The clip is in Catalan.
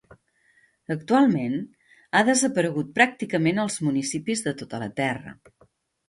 Actualment ha desaparegut pràcticament als municipis de tota la terra.